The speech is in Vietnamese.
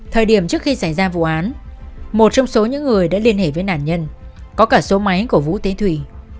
thời điểm trước khi xảy ra vụ án một trong số những người đã liên hệ với nạn nhân có cả số máy của vũ thế thủy